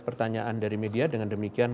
pertanyaan dari media dengan demikian